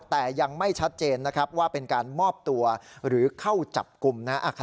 แต่ยังไม่ชัดเจนนะครับว่าเป็นการมอบตัวหรือเข้าจับกลุ่มนะฮะ